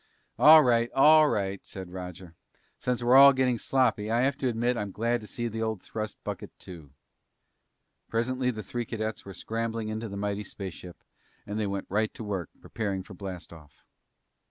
"All right, all right," said Roger. "Since we're all getting sloppy, I have to admit that I'm glad to see that old thrust bucket too!" Presently the three cadets were scrambling into the mighty spaceship, and they went right to work, preparing for blast off.